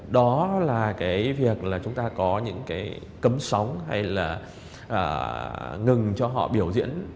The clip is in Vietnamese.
đó là việc chúng ta có những cấm sóng hay là ngừng cho họ biểu diễn